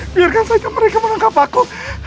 biarkan saja mereka menangkap aku